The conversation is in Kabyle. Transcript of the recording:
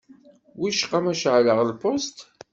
Wicqa ma ceεleɣ lpusṭ?